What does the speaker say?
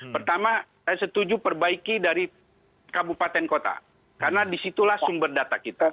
pertama saya setuju perbaiki dari kabupaten kota karena disitulah sumber data kita